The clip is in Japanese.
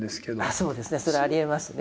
そうですねそれはありえますね。